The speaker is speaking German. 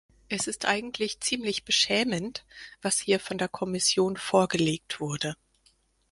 Es ist eigentlich ziemlich beschämend, was hier von der Kommission vorgelegt wurde.